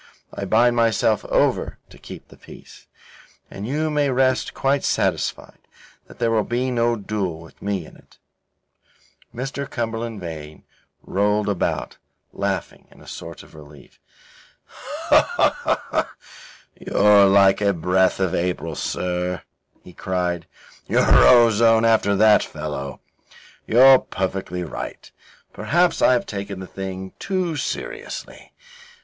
I bind myself over to keep the peace, and you may rest quite satisfied that there will be no duel with me in it." Mr. Cumberland Vane rolled about, laughing in a sort of relief. "You're like a breath of April, sir," he cried. "You're ozone after that fellow. You're perfectly right. Perhaps I have taken the thing too seriously.